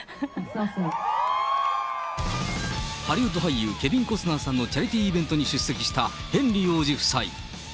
ハリウッド俳優、ケビン・コスナーさんのチャリティーイベントに出席した、ヘンリー王子夫妻。